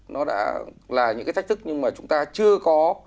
nó đã là những cái thách thức nhưng mà chúng ta chưa có